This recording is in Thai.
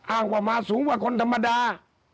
อ้างว่ามาสูงกว่าคนธรรมดา